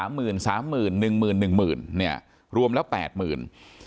๓หมื่น๓หมื่น๑หมื่น๑หมื่นเนี่ยรวมแล้ว๘หมื่น